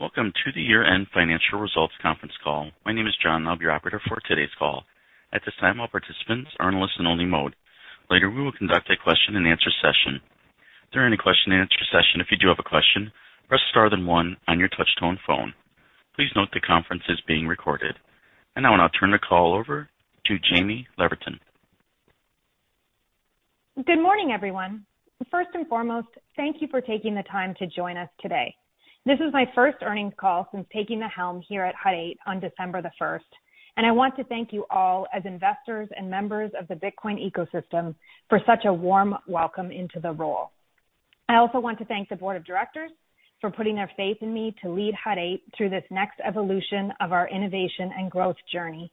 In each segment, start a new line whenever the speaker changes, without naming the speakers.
Welcome to the Year-End Financial Results Conference Call. My name is John, I'll be your operator for today's call. At this time, all participants are in listen only mode. Later, we will conduct a question-and-answer session. During the question-and-answer session, if you do have a question, press star then one on your touch-tone phone. Please note the conference is being recorded. Now I'll turn the call over to Jaime Leverton.
Good morning, everyone. First and foremost, thank you for taking the time to join us today. This is my first earnings call since taking the helm here at Hut 8 on December 1st. I want to thank you all as investors and members of the Bitcoin ecosystem for such a warm welcome into the role. I also want to thank the board of directors for putting their faith in me to lead Hut 8 through this next evolution of our innovation and growth journey.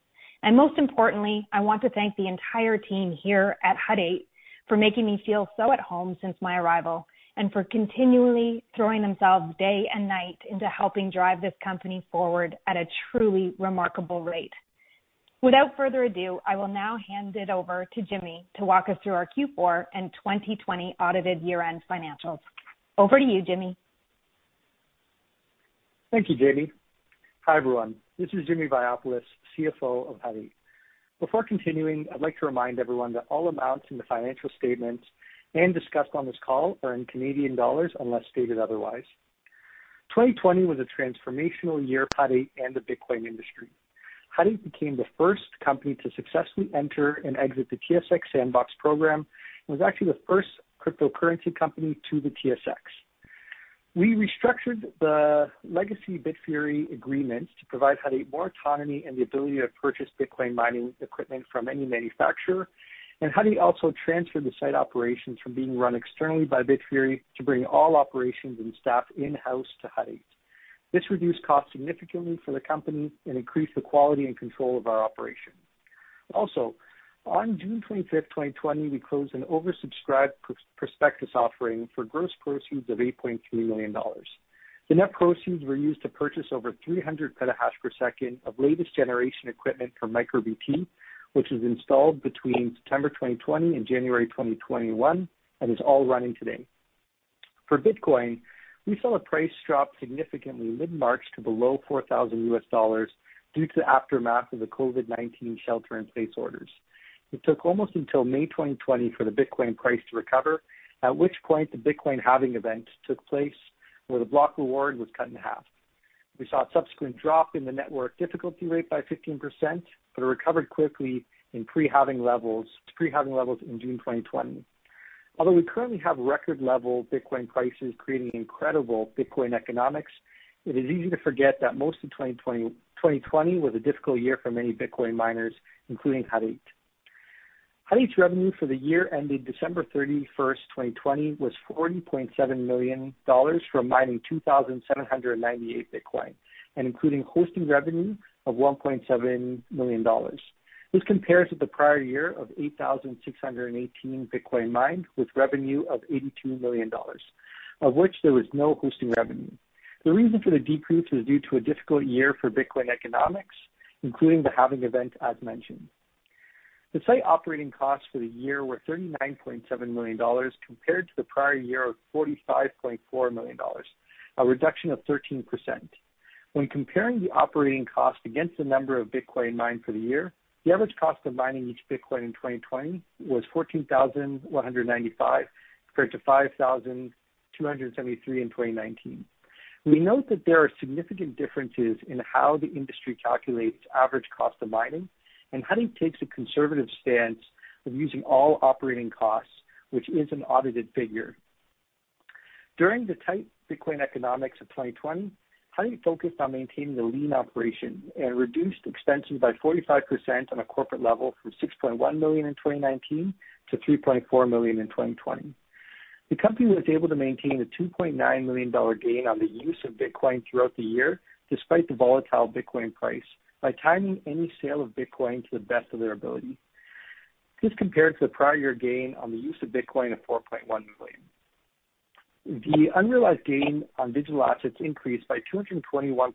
Most importantly, I want to thank the entire team here at Hut 8 for making me feel so at home since my arrival, and for continually throwing themselves day and night into helping drive this company forward at a truly remarkable rate. Without further ado, I will now hand it over to Jimmy to walk us through our Q4 and 2020 audited year-end financials. Over to you, Jimmy.
Thank you, Jaimie. Hi, everyone. This is Jimmy Vaiopoulos, CFO of Hut 8. Before continuing, I'd like to remind everyone that all amounts in the financial statements and discussed on this call are in Canadian dollars, unless stated otherwise. 2020 was a transformational year for Hut 8 and the Bitcoin industry. Hut 8 became the first company to successfully enter and exit the TSX Sandbox program, and was actually the first cryptocurrency company to the TSX. We restructured the legacy Bitfury agreements to provide Hut 8 more autonomy and the ability to purchase Bitcoin mining equipment from any manufacturer, and Hut 8 also transferred the site operations from being run externally by Bitfury to bring all operations and staff in-house to Hut 8. This reduced costs significantly for the company and increased the quality and control of our operations. On June 25th, 2020, we closed an oversubscribed prospectus offering for gross proceeds of 8.3 million dollars. The net proceeds were used to purchase over 300 PH/s of latest generation equipment from MicroBT, which was installed between September 2020 and January 2021, and is all running today. For Bitcoin, we saw the price drop significantly mid-March to below $4,000 due to the aftermath of the COVID-19 shelter in place orders. It took almost until May 2020 for the Bitcoin price to recover, at which point the Bitcoin halving event took place, where the block reward was cut in half. We saw a subsequent drop in the network difficulty rate by 15%, but it recovered quickly in pre-halving levels in June 2020. Although we currently have record level Bitcoin prices creating incredible Bitcoin economics, it is easy to forget that most of 2020 was a difficult year for many Bitcoin miners, including Hut 8. Hut 8's revenue for the year ended December 31st, 2020, was 40.7 million dollars from mining 2,798 Bitcoin and including hosting revenue of 1.7 million dollars. This compares to the prior year of 8,618 Bitcoin mined with revenue of 82 million dollars, of which there was no hosting revenue. The reason for the decrease was due to a difficult year for Bitcoin economics, including the halving event, as mentioned. The site operating costs for the year were 39.7 million dollars compared to the prior year of 45.4 million dollars, a reduction of 13%. When comparing the operating cost against the number of Bitcoin mined for the year, the average cost of mining each Bitcoin in 2020 was 14,195 compared to 5,273 in 2019. We note that there are significant differences in how the industry calculates average cost of mining, and Hut 8 takes a conservative stance of using all operating costs, which is an audited figure. During the tight Bitcoin economics of 2020, Hut 8 focused on maintaining a lean operation and reduced expenses by 45% on a corporate level from 6.1 million in 2019 to 3.4 million in 2020. The company was able to maintain a 2.9 million dollar gain on the use of Bitcoin throughout the year, despite the volatile Bitcoin price, by timing any sale of Bitcoin to the best of their ability. This compared to the prior year gain on the use of Bitcoin of 4.1 million. The unrealized gain on digital assets increased by 221%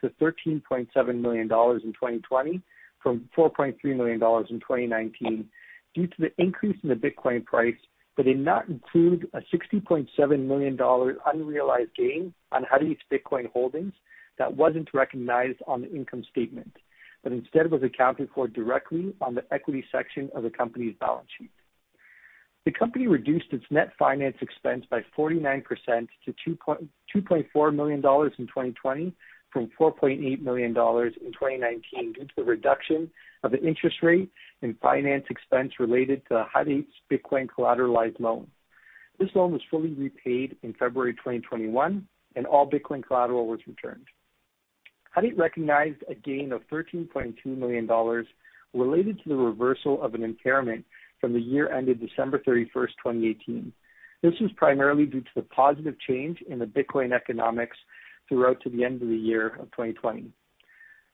to 13.7 million dollars in 2020 from 4.3 million dollars in 2019 due to the increase in the Bitcoin price, but did not include a 60.7 million dollars unrealized gain on Hut 8's Bitcoin holdings that wasn't recognized on the income statement, but instead was accounted for directly on the equity section of the company's balance sheet. The company reduced its net finance expense by 49% to 2.4 million dollars in 2020 from 4.8 million dollars in 2019 due to a reduction of the interest rate and finance expense related to Hut 8's Bitcoin collateralized loan. This loan was fully repaid in February 2021, and all Bitcoin collateral was returned. Hut 8 recognized a gain of 13.2 million dollars related to the reversal of an impairment from the year ended December 31st, 2018. This was primarily due to the positive change in the Bitcoin economics throughout to the end of the year of 2020.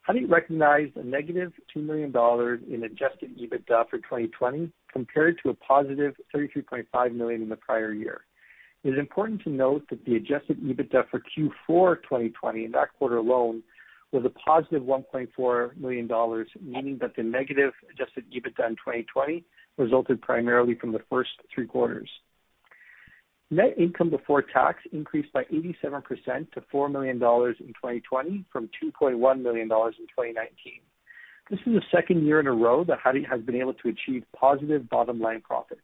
Hut 8 recognized a -2 million dollars in adjusted EBITDA for 2020 compared to a +33.5 million in the prior year. It is important to note that the adjusted EBITDA for Q4 2020 in that quarter alone was a +1.4 million dollars, meaning that the negative adjusted EBITDA in 2020 resulted primarily from the first three quarters. Net income before tax increased by 87% to 4 million dollars in 2020 from 2.1 million dollars in 2019. This is the second year in a row that Hut 8 has been able to achieve positive bottom-line profits.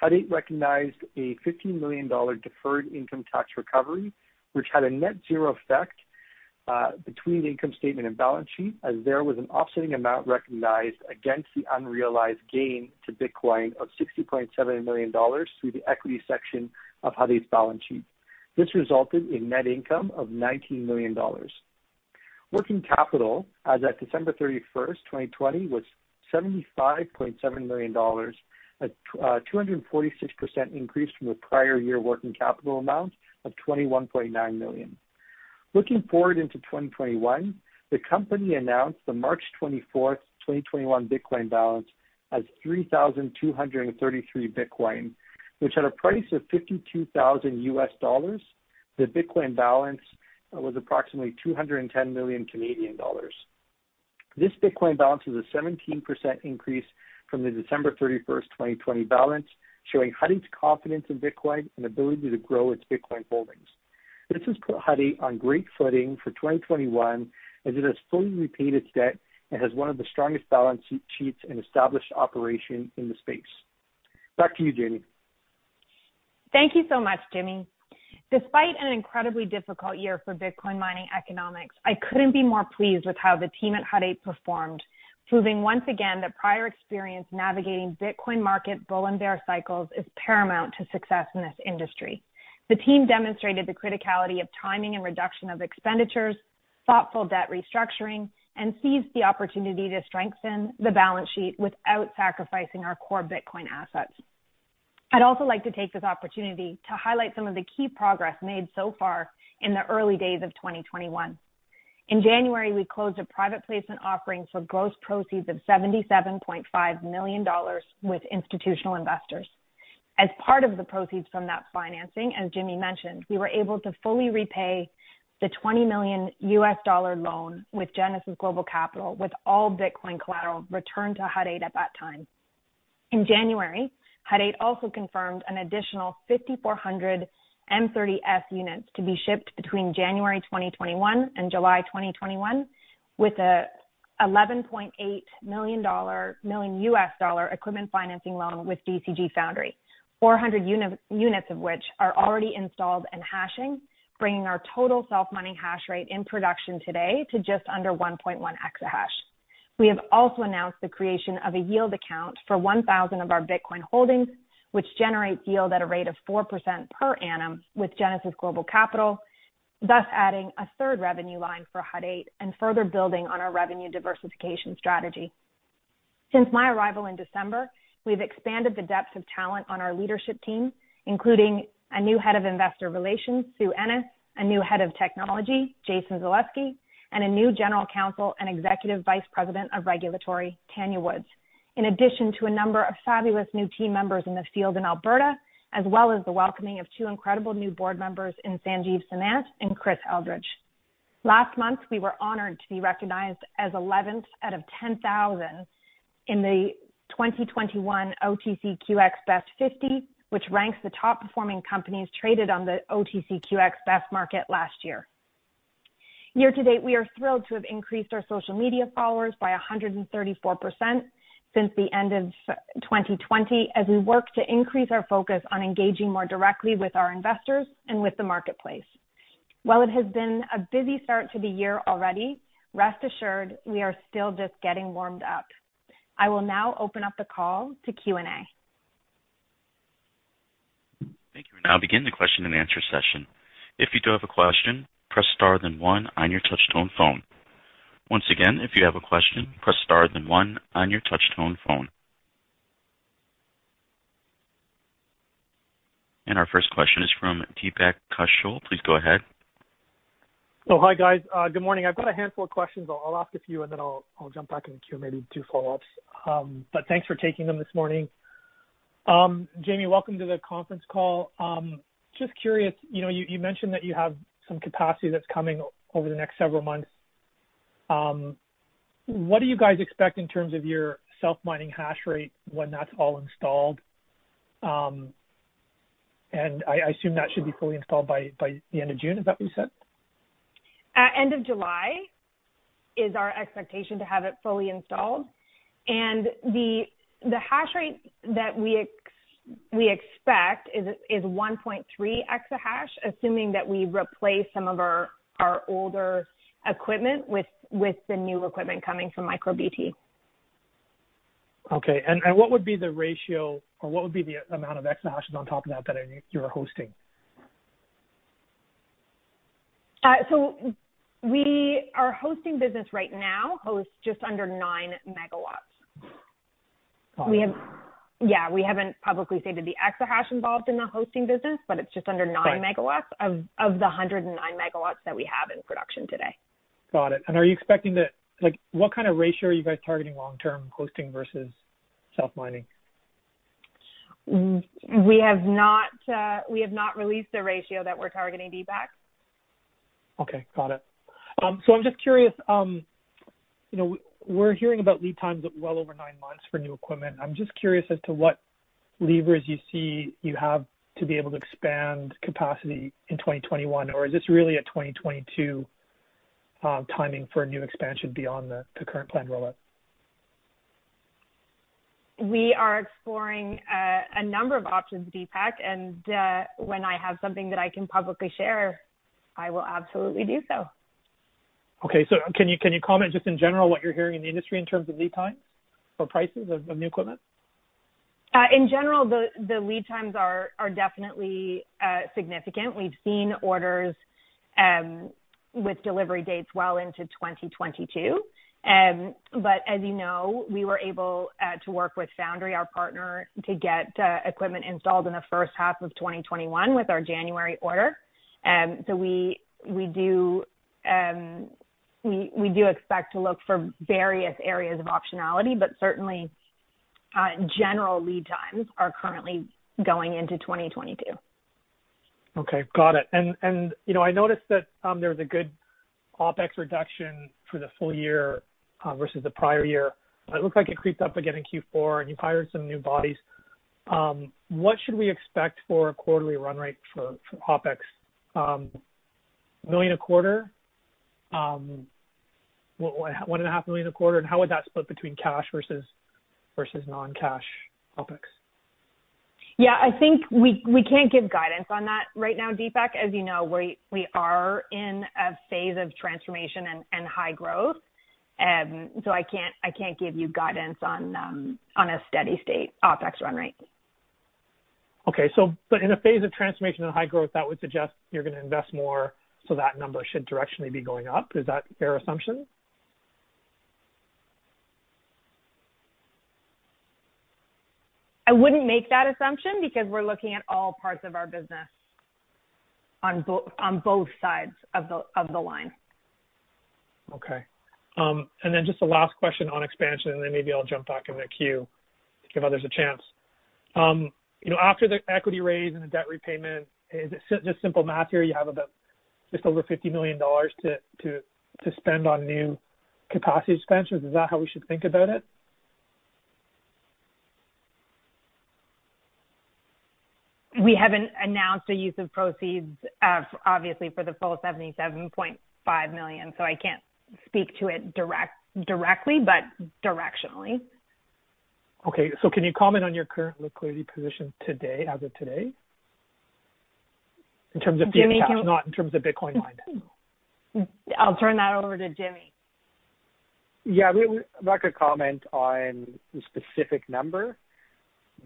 Hut 8 recognized a 15 million dollar deferred income tax recovery, which had a net zero effect between the income statement and balance sheet, as there was an offsetting amount recognized against the unrealized gain to Bitcoin of 60.7 million dollars through the equity section of Hut 8's balance sheet. This resulted in net income of 19 million dollars. Working capital as at December 31st, 2020, was 75.7 million dollars, a 246% increase from the prior year working capital amount of 21.9 million. Looking forward into 2021, the company announced the March 24th, 2021, Bitcoin balance as 3,233 Bitcoin, which at a price of $52,000, the Bitcoin balance was approximately 210 million Canadian dollars. This Bitcoin balance is a 17% increase from the December 31st, 2020, balance, showing Hut 8's confidence in Bitcoin and ability to grow its Bitcoin holdings. This has put Hut 8 on great footing for 2021, as it has fully repaid its debt and has one of the strongest balance sheets and established operation in the space. Back to you, Jaime.
Thank you so much, Jaime. Despite an incredibly difficult year for Bitcoin mining economics, I couldn't be more pleased with how the team at Hut 8 performed, proving once again that prior experience navigating Bitcoin market bull and bear cycles is paramount to success in this industry. The team demonstrated the criticality of timing and reduction of expenditures, thoughtful debt restructuring, and seized the opportunity to strengthen the balance sheet without sacrificing our core Bitcoin assets. I'd also like to take this opportunity to highlight some of the key progress made so far in the early days of 2021. In January, we closed a private placement offering for gross proceeds of 77.5 million dollars with institutional investors. As part of the proceeds from that financing, as Jimmy mentioned, we were able to fully repay the $20 million US dollar loan with Genesis Global Capital, with all Bitcoin collateral returned to Hut 8 at that time. In January, Hut 8 also confirmed an additional 5,400 WhatsMiner M30S units to be shipped between January 2021 and July 2021, with an $11.8 million US dollar equipment financing loan with DCG Foundry, 400 units of which are already installed and hashing, bringing our total self-mining hash rate in production today to just under 1.1 EH/s. We have also announced the creation of a yield account for 1,000 of our Bitcoin holdings, which generate yield at a rate of 4% per annum with Genesis Global Capital, thus adding a third revenue line for Hut 8 and further building on our revenue diversification strategy. Since my arrival in December, we've expanded the depth of talent on our leadership team, including a new head of investor relations, Sue Ennis, a new head of technology, Jason Zaluski, and a new general counsel and executive vice president of regulatory, Tanya Woods. In addition to a number of fabulous new team members in the field in Alberta, as well as the welcoming of two incredible new board members in Sanjiv Samant and Chris Eldredge. Last month, we were honored to be recognized as 11th out of 10,000 in the 2021 OTCQX Best 50, which ranks the top performing companies traded on the OTCQX Best Market last year. Year to date, we are thrilled to have increased our social media followers by 134% since the end of 2020, as we work to increase our focus on engaging more directly with our investors and with the marketplace. While it has been a busy start to the year already, rest assured we are still just getting warmed up. I will now open up the call to Q&A.
Thank you. We'll now begin the question-and-answer session. If you do have a question, press *1 on your touch tone phone. Once again, if you have a question, press *1 on your touch tone phone. Our first question is from Deepak Kaushal. Please go ahead.
Hi, guys. Good morning. I've got a handful of questions. I'll ask a few, and then I'll jump back in the queue, maybe do follow-ups. Thanks for taking them this morning. Jaime, welcome to the conference call. Just curious, you mentioned that you have some capacity that's coming over the next several months. What do you guys expect in terms of your self-mining hash rate when that's all installed? I assume that should be fully installed by the end of June. Is that what you said?
End of July is our expectation to have it fully installed. The hash rate that we expect is 1.3 EH/s, assuming that we replace some of our older equipment with the new equipment coming from MicroBT.
Okay. What would be the ratio or what would be the amount of exahash on top of that you're hosting?
Our hosting business right now hosts just under 9 MW. Yeah, we haven't publicly stated the exahash involved in the hosting business, but it's just under 9 MW of the 109 MW that we have in production today.
Got it. Are you expecting what kind of ratio are you guys targeting long term hosting versus self-mining?
We have not released a ratio that we're targeting, Deepak.
Got it. I'm just curious, we're hearing about lead times of well over nine months for new equipment. I'm just curious as to what levers you see you have to be able to expand capacity in 2021. Is this really a 2022 timing for a new expansion beyond the current planned rollout?
We are exploring a number of options, Deepak, and when I have something that I can publicly share, I will absolutely do so.
Okay. Can you comment just in general what you're hearing in the industry in terms of lead times or prices of new equipment?
In general, the lead times are definitely significant. We've seen orders with delivery dates well into 2022. As you know, we were able to work with Foundry, our partner, to get equipment installed in the first half of 2021 with our January order. We do expect to look for various areas of optionality, but certainly, general lead times are currently going into 2022.
Okay. Got it. I noticed that there was a good OpEx reduction for the full year, versus the prior year. It looks like it creeped up again in Q4, and you've hired some new bodies. What should we expect for a quarterly run rate for OpEx? 1 million a quarter? 1.5 million a quarter? How would that split between cash versus non-cash OpEx?
Yeah, I think we can't give guidance on that right now, Deepak. As you know, we are in a phase of transformation and high growth. I can't give you guidance on a steady state OpEx run rate.
Okay. In a phase of transformation and high growth, that would suggest you're going to invest more, so that number should directionally be going up. Is that a fair assumption?
I wouldn't make that assumption because we're looking at all parts of our business on both sides of the line.
Okay. Just the last question on expansion, and then maybe I'll jump back in the queue to give others a chance. After the equity raise and the debt repayment, is it just simple math here? You have about just over 50 million dollars to spend on new capacity expansions. Is that how we should think about it?
We haven't announced a use of proceeds, obviously, for the full 77.5 million, so I can't speak to it directly, but directionally.
Okay. Can you comment on your current liquidity position today, as of today, in terms of cash? Not in terms of Bitcoin mined.
I'll turn that over to Jimmy.
Yeah. We're not going to comment on the specific number,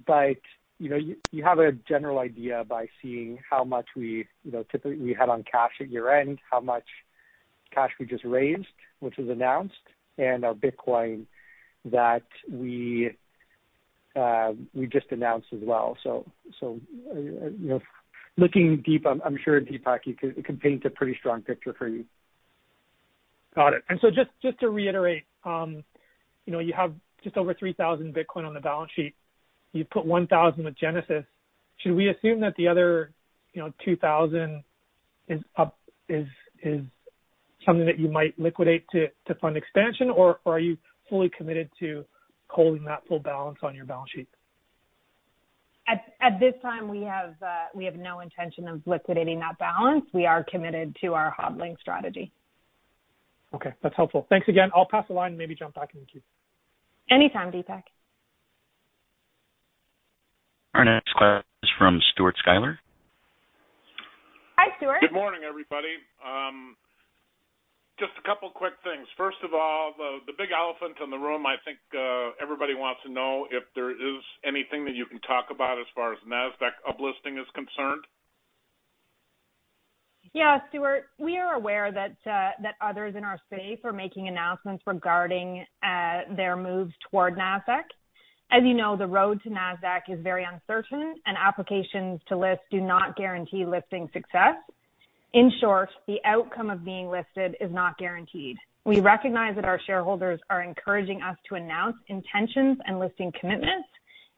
but you have a general idea by seeing how much we had on cash at year-end, how much cash we just raised, which was announced, and our Bitcoin that we just announced as well. Looking deep, I'm sure, Deepak, it can paint a pretty strong picture for you.
Got it. Just to reiterate, you have just over 3,000 Bitcoin on the balance sheet. You put 1,000 with Genesis. Should we assume that the other 2,000 is something that you might liquidate to fund expansion, or are you fully committed to holding that full balance on your balance sheet?
At this time, we have no intention of liquidating that balance. We are committed to our HODLing strategy.
Okay. That's helpful. Thanks again. I'll pass the line and maybe jump back in the queue.
Any time, Deepak.
Our next question is from Stuart Sklar.
Hi, Stuart.
Good morning, everybody. Just a couple quick things. First of all, the big elephant in the room, I think everybody wants to know if there is anything that you can talk about as far as NASDAQ uplisting is concerned.
Stuart. We are aware that others in our space are making announcements regarding their moves toward NASDAQ. As you know, the road to NASDAQ is very uncertain, and applications to list do not guarantee listing success. In short, the outcome of being listed is not guaranteed. We recognize that our shareholders are encouraging us to announce intentions and listing commitments,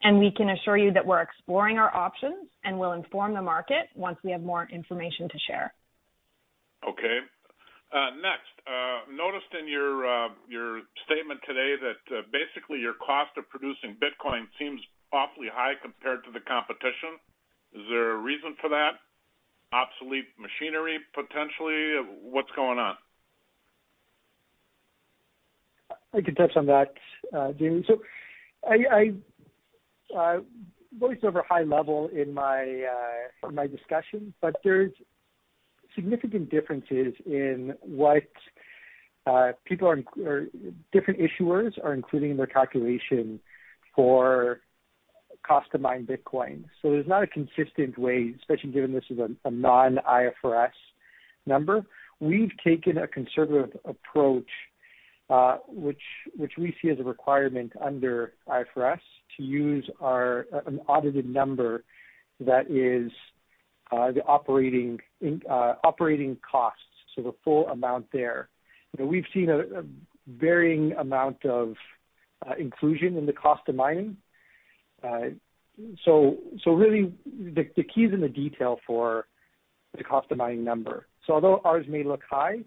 and we can assure you that we're exploring our options and will inform the market once we have more information to share.
Next, noticed in your statement today that basically, your cost of producing Bitcoin seems awfully high compared to the competition. Is there a reason for that? Obsolete machinery, potentially? What's going on?
I can touch on that, Jaime. I was over high level in my discussion, but there's significant differences in what different issuers are including in their calculation for cost of mined Bitcoin. There's not a consistent way, especially given this is a non-IFRS number. We've taken a conservative approach, which we see as a requirement under IFRS to use an audited number that is the operating costs, so the full amount there. We've seen a varying amount of inclusion in the cost of mining. Really, the key is in the detail for the cost of mining number. Although ours may look high,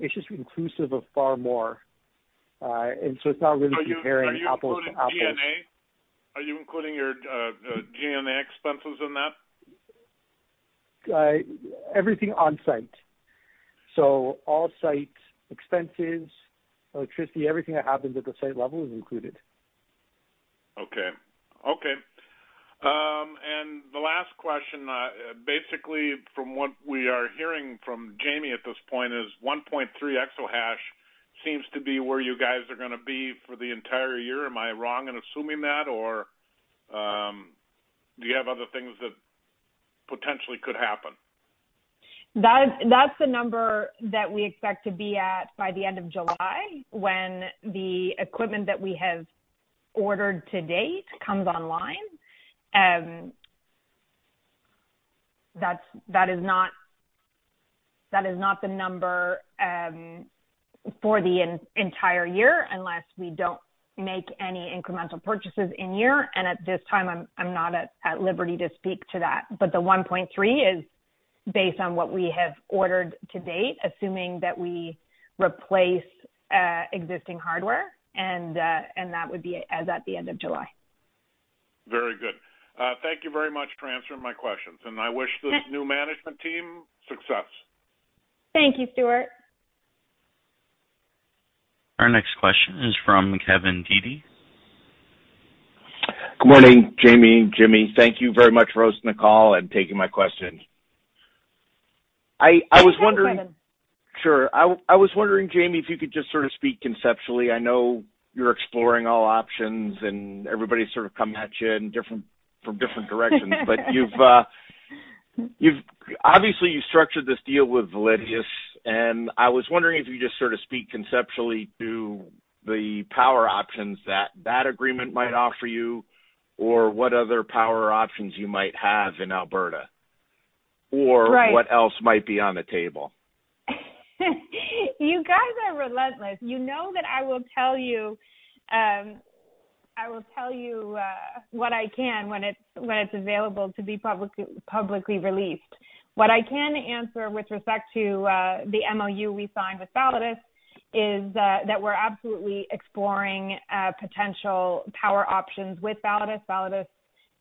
it's just inclusive of far more. It's not really comparing apples to apples.
Are you including G&A? Are you including your G&A expenses in that?
Everything on-site. All site expenses, electricity, everything that happens at the site level is included.
Okay. The last question, basically from what we are hearing from Jaime at this point is 1.3 EH/s seems to be where you guys are going to be for the entire year. Am I wrong in assuming that or do you have other things that potentially could happen?
That's the number that we expect to be at by the end of July when the equipment that we have ordered to date comes online. That is not the number for the entire year unless we don't make any incremental purchases in year. At this time, I'm not at liberty to speak to that. The 1.3 is based on what we have ordered to date, assuming that we replace existing hardware and that would be as at the end of July.
Very good. Thank you very much for answering my questions and I wish this new management team success.
Thank you, Stuart.
Our next question is from Kevin Dede.
Good morning, Jaime, Jimmy. Thank you very much for hosting the call and taking my question.
Hi, Kevin.
Sure. I was wondering, Jaime, if you could just sort of speak conceptually. I know you're exploring all options and everybody's sort of coming at you from different directions. obviously you structured this deal with Validus, and I was wondering if you just sort of speak conceptually to the power options that agreement might offer you or what other power options you might have in Alberta?
Right
What else might be on the table?
You guys are relentless. You know that I will tell you what I can when it's available to be publicly released. What I can answer with respect to the MOU we signed with Validus is that we're absolutely exploring potential power options with Validus. Validus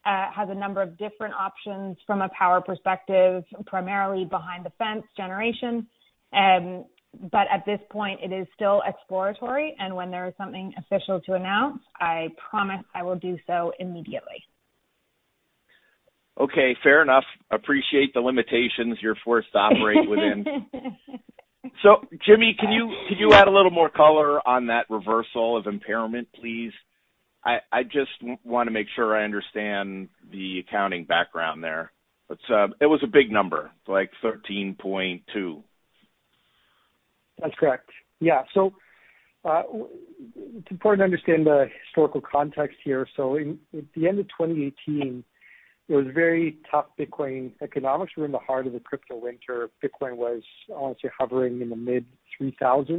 has a number of different options from a power perspective, primarily behind-the-fence generation. At this point, it is still exploratory, and when there is something official to announce, I promise I will do so immediately.
Okay, fair enough. Appreciate the limitations you're forced to operate within. Jimmy, can you add a little more color on that reversal of impairment, please? I just want to make sure I understand the accounting background there. It was a big number, like 13.2.
That's correct. It's important to understand the historical context here. At the end of 2018, it was very tough. Bitcoin economics were in the heart of the crypto winter. Bitcoin was honestly hovering in the mid 3,000s,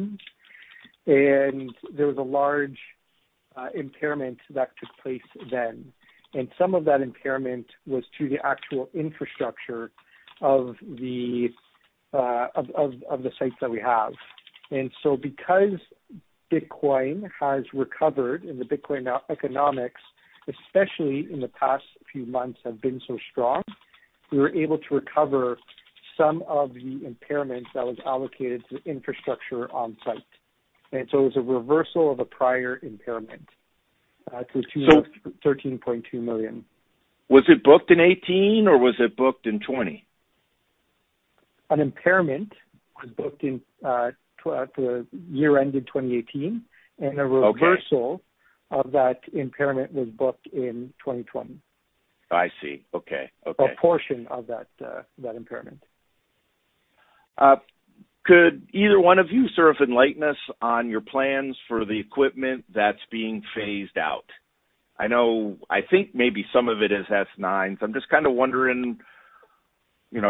and there was a large impairment that took place then. Some of that impairment was to the actual infrastructure of the sites that we have. Because Bitcoin has recovered and the Bitcoin economics, especially in the past few months, have been so strong, we were able to recover some of the impairment that was allocated to infrastructure on site. It was a reversal of a prior impairment. 13.2 million.
Was it booked in 2018 or was it booked in 2020?
An impairment was booked in for the year end in 2018. A reversal of that impairment was booked in 2020.
I see. Okay.
A portion of that impairment.
Could either one of you sort of enlighten us on your plans for the equipment that's being phased out? I think maybe some of it is S9s. I'm just kind of wondering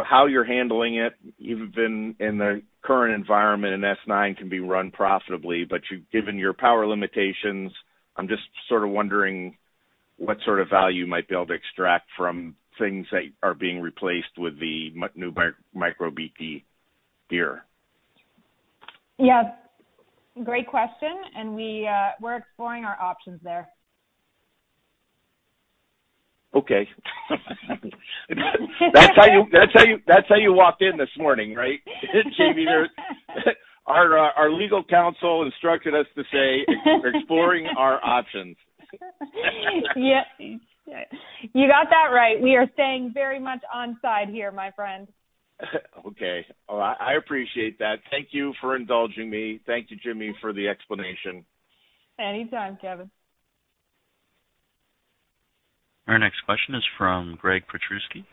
how you're handling it given in the current environment, an S9 can be run profitably, but given your power limitations, I'm just sort of wondering what sort of value you might be able to extract from things that are being replaced with the new MicroBT gear.
Yeah. Great question. We're exploring our options there.
Okay. That's how you walked in this morning, right? Jaime, our legal counsel instructed us to say, "Exploring our options.
Yep. You got that right. We are staying very much on side here, my friend.
Okay. Well, I appreciate that. Thank you for indulging me. Thank you, Jimmy, for the explanation.
Anytime, Kevin.
Our next question is from Greg Patrusky.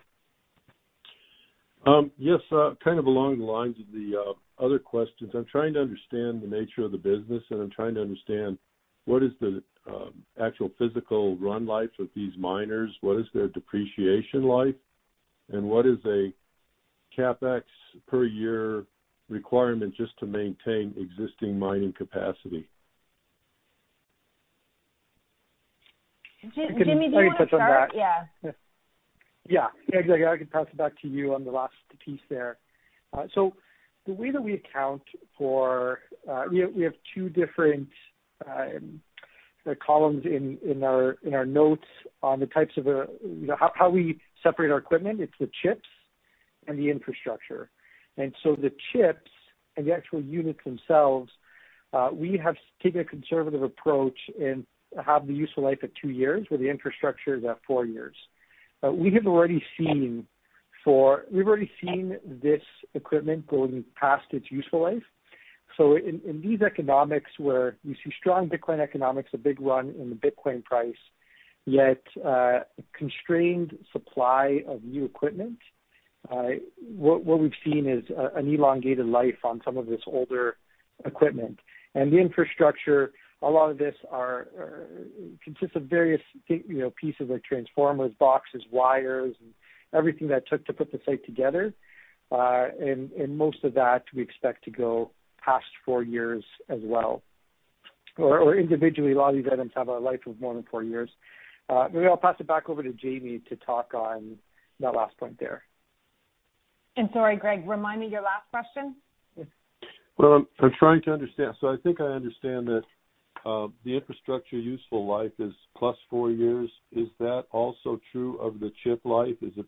Yes, kind of along the lines of the other questions. I'm trying to understand the nature of the business, I'm trying to understand what is the actual physical run life of these miners, what is their depreciation life, and what is CapEx per year requirement just to maintain existing mining capacity.
Jimmy, do you want to start?
I can touch on that.
Yeah.
Yeah. Exactly. I can pass it back to you on the last piece there. The way that we account for We have two different columns in our notes on how we separate our equipment. It's the chips and the infrastructure. The chips and the actual units themselves, we have taken a conservative approach and have the useful life at two years, where the infrastructure is at four years. We've already seen this equipment going past its useful life. In these economics where you see strong Bitcoin economics, a big run in the Bitcoin price, yet a constrained supply of new equipment, what we've seen is an elongated life on some of this older equipment. The infrastructure, a lot of this consists of various pieces like transformers, boxes, wires, and everything that took to put the site together. Most of that we expect to go past four years as well. Individually, a lot of these items have a life of more than four years. Maybe I'll pass it back over to Jaime to talk on that last point there.
Sorry, Greg, remind me your last question?
Well, I'm trying to understand. I think I understand that the infrastructure useful life is plus four years. Is that also true of the chip life? Is it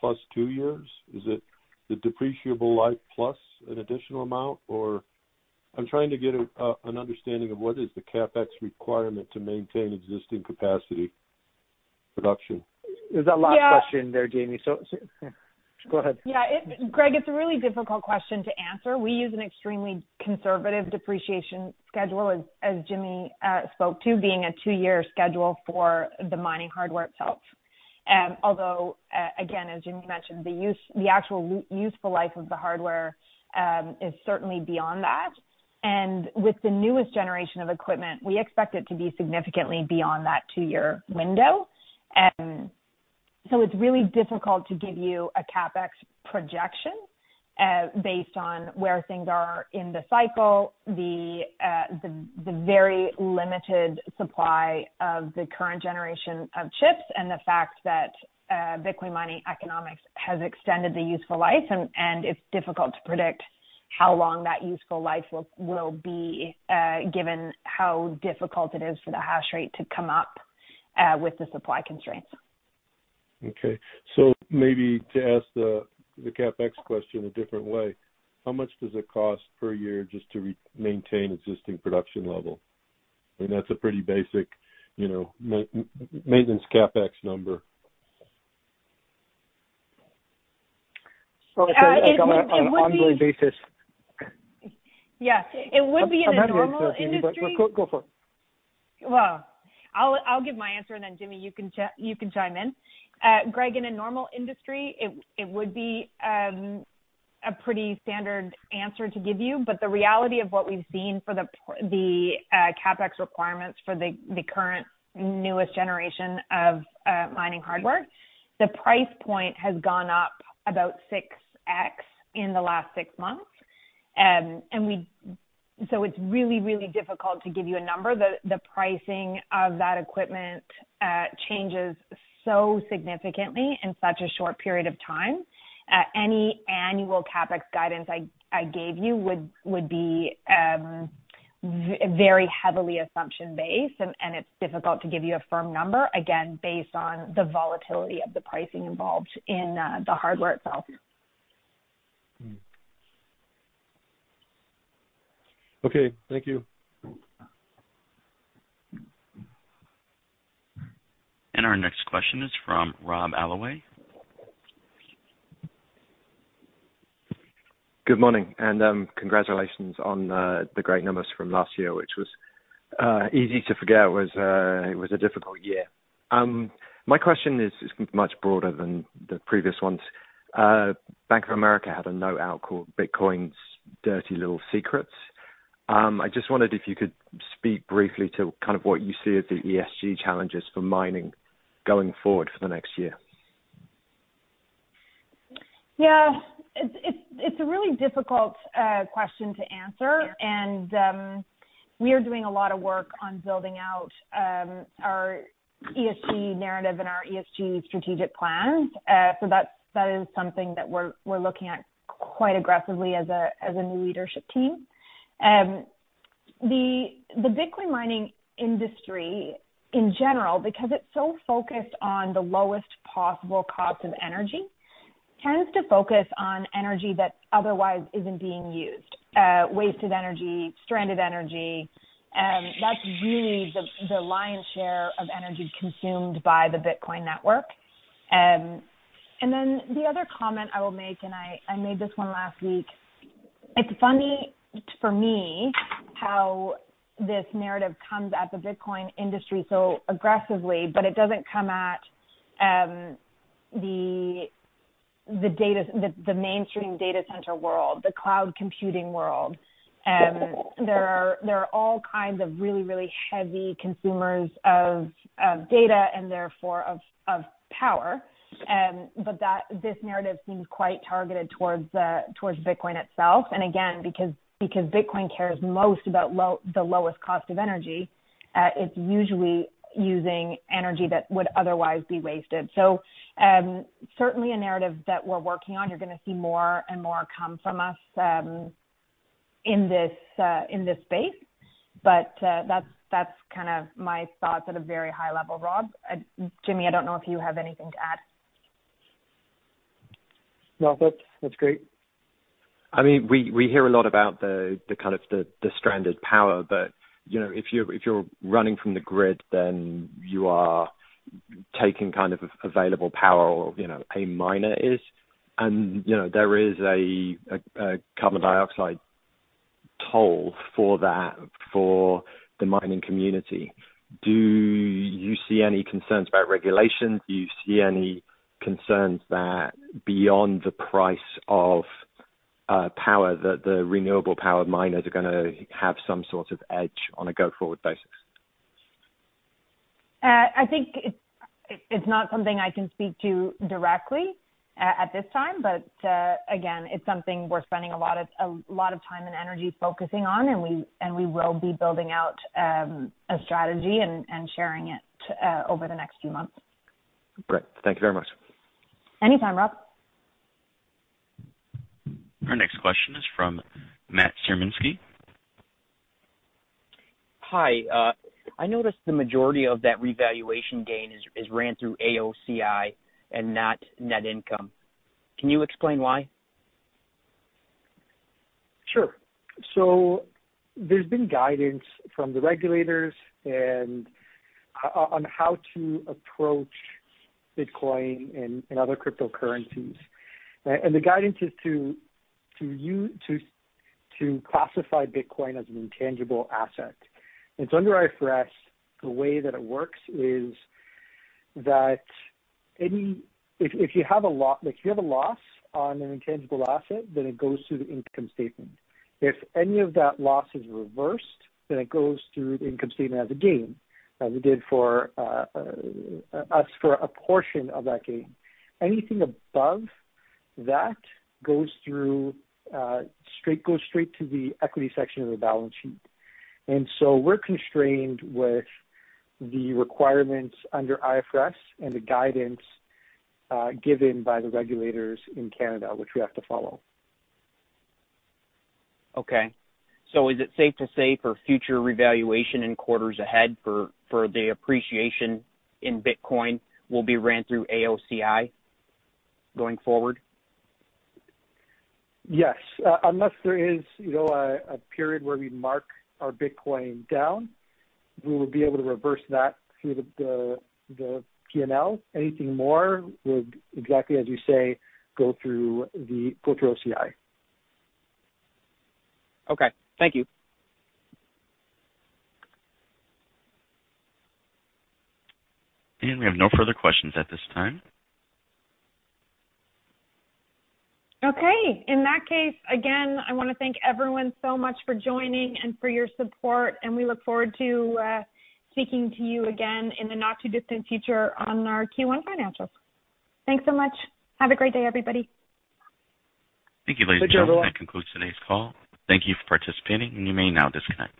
plus two years? Is it the depreciable life plus an additional amount, or I'm trying to get an understanding of what is the CapEx requirement to maintain existing capacity production.
There's that last question there, Jaime. Go ahead.
Yeah, Greg, it's a really difficult question to answer. We use an extremely conservative depreciation schedule, as Jimmy spoke to, being a two-year schedule for the mining hardware itself. Although, again, as Jimmy mentioned, the actual useful life of the hardware is certainly beyond that. With the newest generation of equipment, we expect it to be significantly beyond that two-year window. It's really difficult to give you a CapEx projection based on where things are in the cycle, the very limited supply of the current generation of chips, and the fact that Bitcoin mining economics has extended the useful life, and it's difficult to predict how long that useful life will be, given how difficult it is for the hash rate to come up with the supply constraints.
Okay. Maybe to ask the CapEx question a different way, how much does it cost per year just to maintain existing production level? I mean, that's a pretty basic maintenance CapEx number.
On an ongoing basis.
Yes. It would be in a normal industry.
I'm happy to answer, Jaime, but go for it.
Well, I'll give my answer and then Jimmy, you can chime in. Greg, in a normal industry, it would be a pretty standard answer to give you, but the reality of what we've seen for the CapEx requirements for the current newest generation of mining hardware, the price point has gone up about 6x in the last six months. It's really difficult to give you a number. The pricing of that equipment changes so significantly in such a short period of time. Any annual CapEx guidance I gave you would be very heavily assumption based, and it's difficult to give you a firm number, again, based on the volatility of the pricing involved in the hardware itself.
Okay. Thank you.
Our next question is from Rob Alloway.
Good morning. Congratulations on the great numbers from last year, which was easy to forget was a difficult year. My question is much broader than the previous ones. Bank of America had a note out called Bitcoin's Dirty Little Secrets. I just wondered if you could speak briefly to kind of what you see as the ESG challenges for mining going forward for the next year.
Yeah. It's a really difficult question to answer. We are doing a lot of work on building out our ESG narrative and our ESG strategic plans. That is something that we're looking at quite aggressively as a new leadership team. The Bitcoin mining industry in general, because it's so focused on the lowest possible cost of energy, tends to focus on energy that otherwise isn't being used. Wasted energy, stranded energy. That's really the lion's share of energy consumed by the Bitcoin network. The other comment I will make, and I made this one last week, it's funny for me how this narrative comes at the Bitcoin industry so aggressively, but it doesn't come at the mainstream data center world, the cloud computing world. There are all kinds of really heavy consumers of data and therefore of power. This narrative seems quite targeted towards Bitcoin itself. Again, because Bitcoin cares most about the lowest cost of energy, it's usually using energy that would otherwise be wasted. Certainly a narrative that we're working on. You're going to see more and more come from us in this space. That's kind of my thoughts at a very high level, Rob. Jimmy, I don't know if you have anything to add.
No, that's great.
We hear a lot about the stranded power, but if you're running from the grid, then you are taking kind of available power or a miner is. There is a carbon dioxide toll for that for the mining community. Do you see any concerns about regulation? Do you see any concerns that beyond the price of power, that the renewable power miners are going to have some sort of edge on a go-forward basis?
I think it's not something I can speak to directly at this time. Again, it's something we're spending a lot of time and energy focusing on, and we will be building out a strategy and sharing it over the next few months.
Great. Thank you very much.
Anytime, Rob.
Our next question is from Matt Szymanski.
Hi. I noticed the majority of that revaluation gain is ran through AOCI and not net income. Can you explain why?
Sure. There's been guidance from the regulators on how to approach Bitcoin and other cryptocurrencies. The guidance is to classify Bitcoin as an intangible asset. Under IFRS, the way that it works is that if you have a loss on an intangible asset, then it goes through the income statement. If any of that loss is reversed, then it goes through the income statement as a gain, as it did for us for a portion of that gain. Anything above that goes straight to the equity section of the balance sheet. We're constrained with the requirements under IFRS and the guidance given by the regulators in Canada, which we have to follow.
Okay. Is it safe to say for future revaluation in quarters ahead for the appreciation in Bitcoin will be ran through AOCI going forward?
Yes. Unless there is a period where we mark our Bitcoin down, we will be able to reverse that through the P&L. Anything more will, exactly as you say, go through AOCI.
Okay. Thank you.
We have no further questions at this time.
Okay. In that case, again, I want to thank everyone so much for joining and for your support. We look forward to speaking to you again in the not-too-distant future on our Q1 financials. Thanks so much. Have a great day, everybody.
Thank you everyone.
That concludes today's call. Thank you for participating, and you may now disconnect.